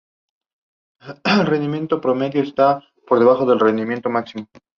Todas las canciones escritas por David Coverdale y John Sykes, excepto donde se indica.